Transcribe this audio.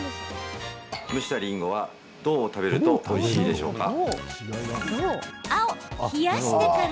蒸したりんごはどう食べるとおいしいでしょうか？